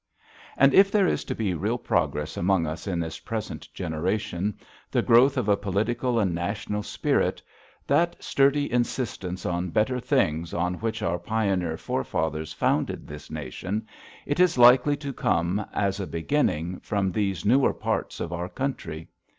And if there is to be real progress among us in this present generation, the growth of a political and national spirit, that sturdy insistence on better things on which our pioneer forefathers founded this nation, it is likely to come, as a beginning, from these newer parts of our country.